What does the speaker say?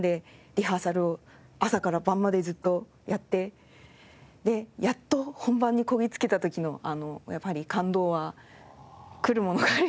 リハーサルを朝から晩までずっとやってでやっと本番にこぎ着けた時のやっぱり感動はくるものがありました。